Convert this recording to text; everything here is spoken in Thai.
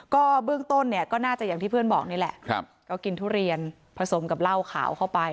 ก็เบื้องต้นเนี่ยก็น่าจะอย่างที่เพื่อนบอกนี่แหละก็กินทุเรียนผสมกับเหล้าขาวเข้าไป